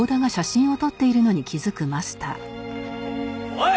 おい！